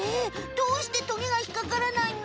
どうしてトゲがひっかからないの？